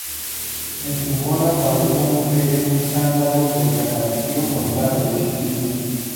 En su boda causó un pequeño escándalo porque apareció con traje de ciclista.